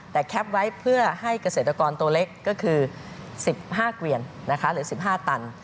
แต่แคปไว้เพื่อให้เกษตรกรตัวเล็กก็คือ๑๕เกวียนนะคะหรือ๑๕ตัน